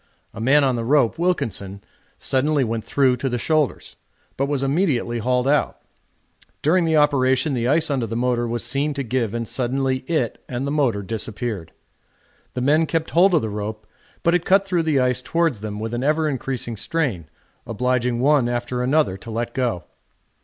A man on the rope, Wilkinson, suddenly went through to the shoulders, but was immediately hauled out. During the operation the ice under the motor was seen to give, and suddenly it and the motor disappeared. The men kept hold of the rope, but it cut through the ice towards them with an ever increasing strain, obliging one after another to let go.